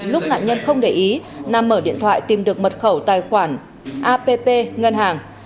lúc nạn nhân không để ý nam mở điện thoại tìm được mật khẩu tài khoản app ngân hàng